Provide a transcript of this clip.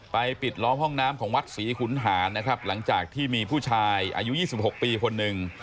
ปิดล้อมห้องน้ำของวัดศรีขุนหารนะครับหลังจากที่มีผู้ชายอายุ๒๖ปีคนหนึ่ง